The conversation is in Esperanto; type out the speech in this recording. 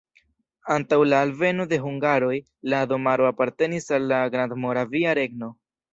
Antaŭ la alveno de hungaroj la domaro apartenis al la Grandmoravia Regno.